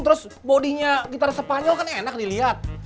terus bodinya gitar spanyol kan enak dilihat